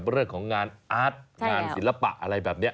เรื่องของงานอาร์ตงานศิลปะอะไรแบบนี้